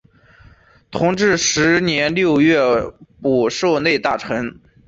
同治十年六月补授内大臣。